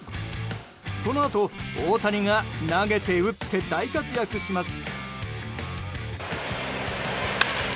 このあと、大谷が投げて打って大活躍します。